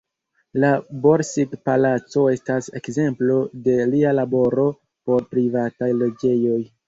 La Borsig-palaco estas ekzemplo de lia laboro por privataj loĝejoj.